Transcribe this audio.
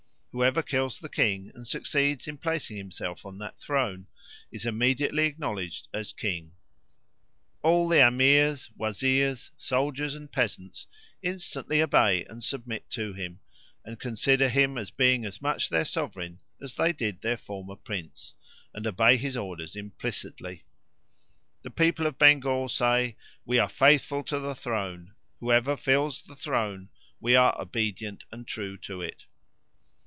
... Whoever kills the king, and succeeds in placing himself on that throne, is immediately acknowledged as king; all the amirs, wazirs, soldiers, and peasants instantly obey and submit to him, and consider him as being as much their sovereign as they did their former prince, and obey his orders implicitly. The people of Bengal say, 'We are faithful to the throne; whoever fills the throne we are obedient and true to it.'"